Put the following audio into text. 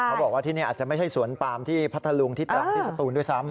เขาบอกว่าที่นี้อาจจะไม่ใช่สวนปาล์มที่พัทรลุงที่สตูนด้วยซ้ำ